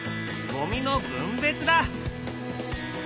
ゴミの分別だ。